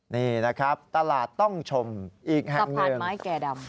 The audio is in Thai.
นี่นะครับตลาดต้องชมอีกแห่งหนึ่งสะพานไม้แก่ดำ